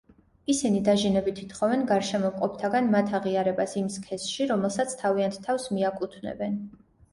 ისინი დაჟინებით ითხოვენ გარშემო მყოფთაგან მათ აღიარებას იმ სქესში, რომელსაც თავიანთ თავს მიაკუთვნებენ.